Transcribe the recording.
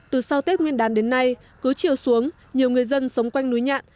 từ sau tết nguyên đán đến nay cứ chiều xuống nhiều người dân sống quanh núi nhạn